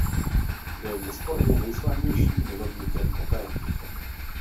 Byl nesporně nejslavnějším milovníkem operety.